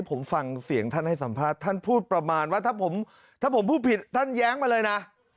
ผมฟังเสียงท่านให้สัมภาษณ์ท่านพูดประมาณว่าถ้าผมถ้าผมพูดผิดท่านแย้งมาเลยนะ